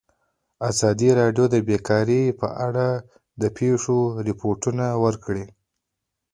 ازادي راډیو د بیکاري په اړه د پېښو رپوټونه ورکړي.